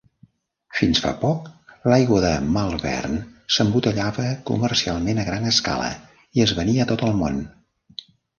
Fins fa poc, l'aigua de Malvern s'embotellava comercialment a gran escala i es venia a tot el món.